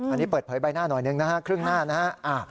อันนี้เปิดเผยใบหน้าหน่อยหนึ่งนะฮะครึ่งหน้านะฮะ